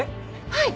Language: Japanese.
はい。